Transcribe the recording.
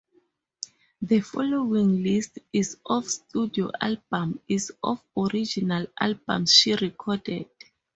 The following list is of studio albums is of original albums she recorded.